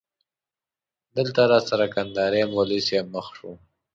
دلته راسره کندهاری مولوی صاحب مخ شو.